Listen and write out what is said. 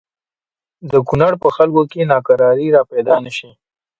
د کونړ په خلکو کې ناکراری را پیدا نه شي.